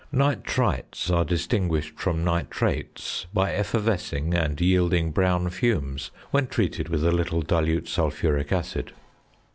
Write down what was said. Nitrites are distinguished from nitrates by effervescing and yielding brown fumes when treated with a little dilute sulphuric acid.